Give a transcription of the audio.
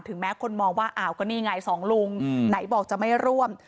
แม้คนมองว่าอ้าวก็นี่ไงสองลุงไหนบอกจะไม่ร่วม